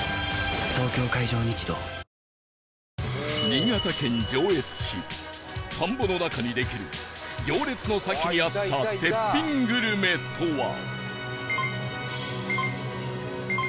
新潟県上越市田んぼの中にできる行列の先にあった絶品グルメとは？